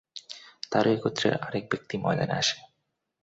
তারই গোত্রের আরেক ব্যক্তি ময়দানে আসে।